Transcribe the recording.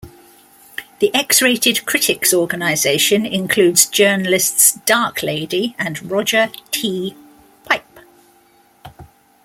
The X-Rated Critics Organization includes journalists: Darklady and Roger T. Pipe.